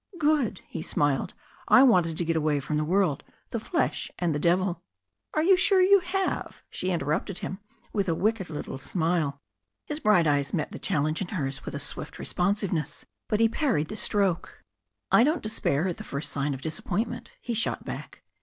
"Good," he smiled, "I wanted to get away from the world, the flesh, and the devil ^" "Are you sure you have?" she interrupted him, with a wicked little smile. His bright eyes met the challenge in hers with swift re sponsiveness, but he parried the stroke. 2^2 THE STORY OF A NEW ZEALAND RIVER "I don't despair at the first sign of disappointment," he shot back.